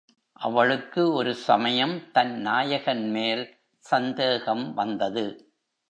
அவளுக்கு ஒரு சமயம் தன் நாயகன் மேல் சந்தேகம் வந்தது.